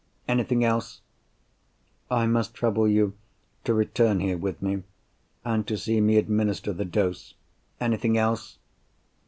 "Anything else?" "I must trouble you to return here with me, and to see me administer the dose." "Anything else?"